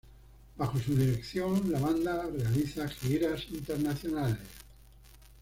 Bajo su dirección la banda realiza giras internacionales.